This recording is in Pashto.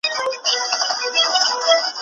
څنګه دا کور او دا جومات او دا قلا سمېږي